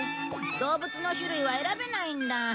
動物の種類は選べないんだ。